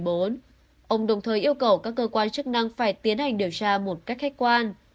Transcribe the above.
ông đồng thời yêu cầu các cơ quan chức năng phải tiến hành điều tra một cách khách quan